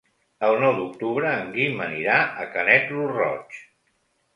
El nou d'octubre en Guim anirà a Canet lo Roig.